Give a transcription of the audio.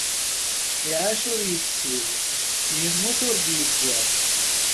Iεac ur yeksib, yemmut ur d-yeǧǧa.